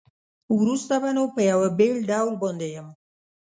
وروسته به نو په یوه بېل ډول باندې یم.